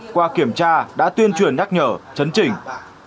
qua kiểm tra đã tuyên truyền nhắc nhở chấn chỉnh